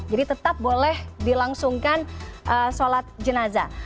jadi tetap boleh dilangsungkan sholat jenazah